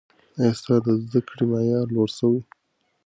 ایا ستا د زده کړې معیار لوړ سوی؟